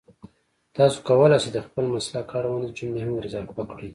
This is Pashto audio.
تاسو کولای شئ د خپل مسلک اړونده جملې هم ور اضافه کړئ